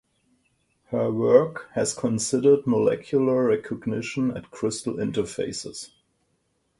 Her work has considered molecular recognition at crystal interfaces.